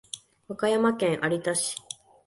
和歌山県有田市